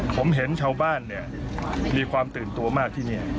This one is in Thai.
ผมเห็นชาวบ้านเนี่ยมีความตื่นตัวมากที่นี่